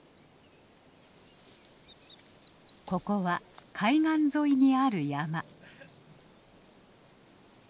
ここは海岸沿いにある山。